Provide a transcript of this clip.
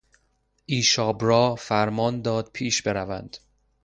ایشابرا فرمان داد پیش بروند